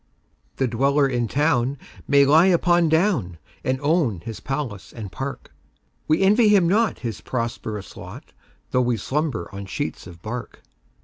The dweller in town may lie upon down, And own his palace and park:We envy him not his prosperous lot, Though we slumber on sheets of bark.